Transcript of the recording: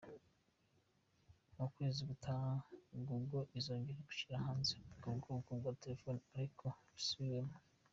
Mu kwezi gutaha Google izongera gushyira hanze ubwo bwoko bwa telefone ariko busubiwemo.